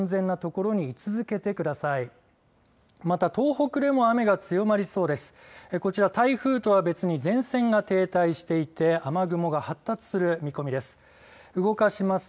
こちら台風とは別に前線が停滞していて雨雲が発達する見込みです。